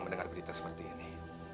mendengar berita seperti ini